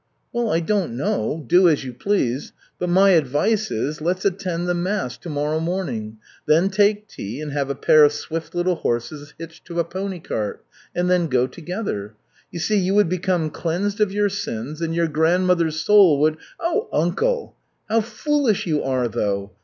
"Well, I don't know, do as you please. But my advice is: let's attend the mass tomorrow morning, then take tea and have a pair of swift little horses hitched to a pony cart, and then go together. You see, you would become cleansed of your sins, and your grandmother's soul would " "Oh, uncle, how foolish you are, though.